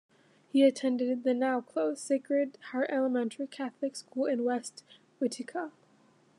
He attended the now closed Sacred Heart Elementary Catholic school in West Utica.